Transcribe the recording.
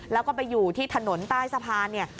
แล้วก็ไปอยู่ที่ถนนใต้สะพานเนี่ย